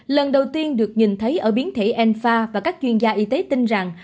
lần đầu tiên được nhìn thấy ở biến thể n năm và các chuyên gia y tế tin rằng